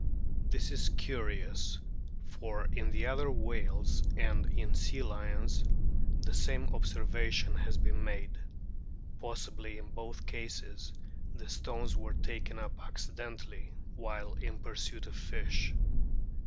This is curious, for in other whales and in sea lions the same observation has been made ; possibly in both cases the stones were taken up accidentally while in pursuit of fish.